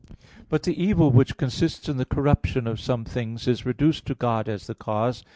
But the evil which consists in the corruption of some things is reduced to God as the cause.